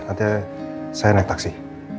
nanti saya naik taksi